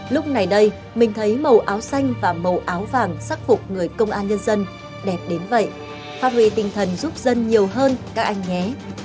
lúc này đây mình thấy màu áo xanh và màu áo vàng sắc phục người công an nhân dân đẹp đến vậy phát huy tinh thần giúp dân nhiều hơn các anh nhé